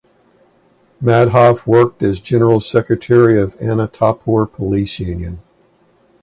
Madhav worked as general secretary of Anantapur police union.